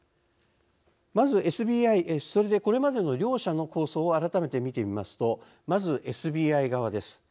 それでここまで両者の構想を改めて見てみますとまずＳＢＩ側です。